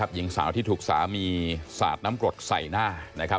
หญิงสาวที่ถูกสามีสาดน้ำกรดใส่หน้า